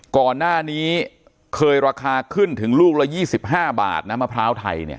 ก่อนหน้านี้เคยราคาขึ้นถึงลูกละ๒๕บาทนะมะพร้าวไทยเนี่ย